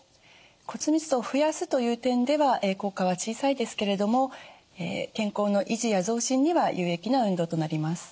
骨密度を増やすという点では効果は小さいですけれども健康の維持や増進には有益な運動となります。